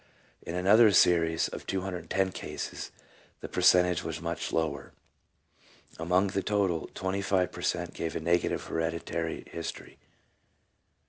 In another series of 210 cases the percentage was much lower. Among the total, 25 per cent, gave a negative hereditary history.